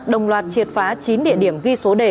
đồng loạt triệt phá chín địa điểm ghi số đề